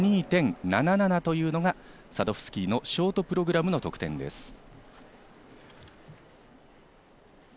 ６２．７７というのがサドフスキーのショートプログラムの得点です。